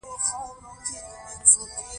زموږ ميږي او وزې برالبې شوې دي